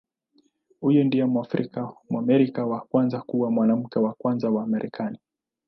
Huyu ndiye Mwafrika-Mwamerika wa kwanza kuwa Mwanamke wa Kwanza wa Marekani.